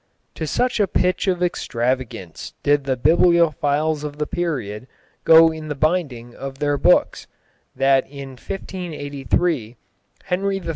To such a pitch of extravagance did the bibliophiles of the period go in the binding of their books, that in 1583 Henry III.